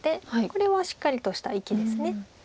これはしっかりとした生きです。